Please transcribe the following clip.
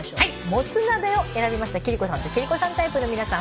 もつ鍋を選びました貴理子さんと貴理子さんタイプの皆さん。